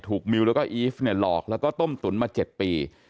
มิวแล้วก็อีฟเนี่ยหลอกแล้วก็ต้มตุ๋นมา๗ปี